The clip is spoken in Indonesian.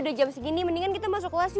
udah jam segini mendingan kita masuk kelas